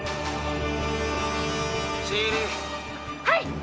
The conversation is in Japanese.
はい。